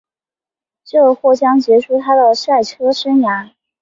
这或将结束她的赛车生涯。